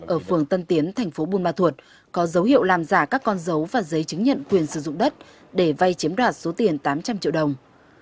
ở phường tân tiến thành phố buôn ma thuột có dấu hiệu làm giả các con dấu và giấy chứng nhận quyền sử dụng đất để vay chiếm đoạt số tiền tám trăm linh triệu đồng